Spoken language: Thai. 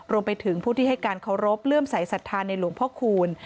รวมไปถึงผู้ที่ให้การเคารพเลื่อมสายศรัทธาในหลวงพ่อคูณ